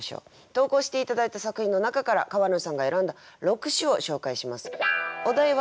投稿して頂いた作品の中から川野さんが選んだ六首を紹介します。